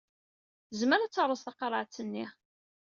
Tezmer ad terreẓ tqerɛet-nni.